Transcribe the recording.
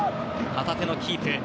旗手のキープ。